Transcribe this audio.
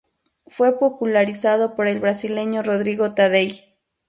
Fue popularizado por el brasileño Rodrigo Taddei.